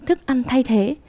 thức ăn thay thế